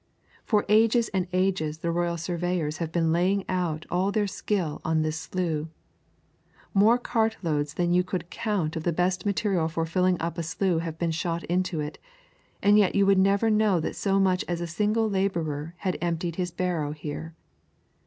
For ages and ages the royal surveyors have been laying out all their skill on this slough. More cartloads than you could count of the best material for filling up a slough have been shot into it, and yet you would never know that so much as a single labourer had emptied his barrow here.